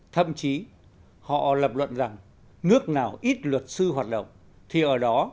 thậm chí họ lập luận rằng nước nào ít luật sư hoạt động thì ở đó